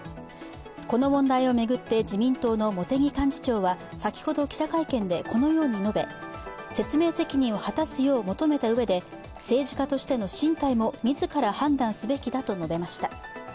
この問題を巡って自民党の茂木幹事長は先ほど記者会見でこのように述べ説明責任を果たすよう求めたうえで政治家としての進退も自ら判断すべきだと述べました。